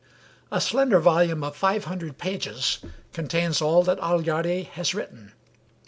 A slender volume of five hundred pages contains all that Aleardi has written.